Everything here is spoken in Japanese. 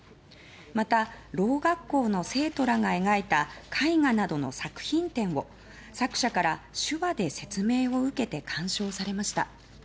また、ろう学校の生徒らが描いた絵画などの作品展を作者から手話で説明を受けて鑑賞されました。